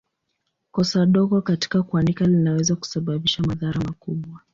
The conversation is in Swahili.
Kosa dogo katika kuandika linaweza kusababisha madhara makubwa.